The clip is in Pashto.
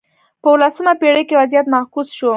په اولسمه پېړۍ کې وضعیت معکوس شو.